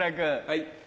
はい。